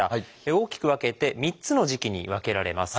大きく分けて３つの時期に分けられます。